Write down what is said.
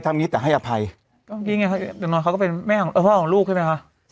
ตายนอนเขาก็เป็นแม่ของพ่อของลูกใช่ไหมค่ะ